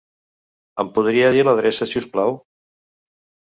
Em podria dir l'adreça, si us plau?